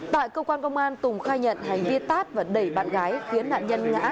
tại cơ quan công an tùng khai nhận hành vi tát và đẩy bạn gái khiến nạn nhân ngã